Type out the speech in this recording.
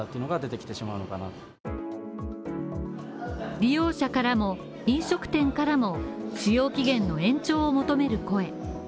利用者からも飲食店からも使用期限の延長を求める声